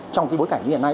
trong cái bối cảnh hiện nay